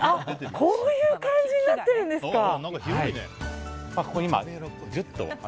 こういう感じになってるんですか。